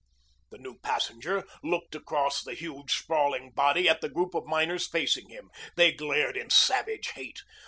The new passenger looked across the huge, sprawling body at the group of miners facing him. They glared in savage hate.